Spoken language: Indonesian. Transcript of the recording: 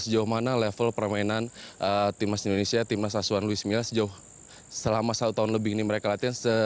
sejauh mana level permainan timnas indonesia timnas asuhan luis mila sejauh selama satu tahun lebih ini mereka latihan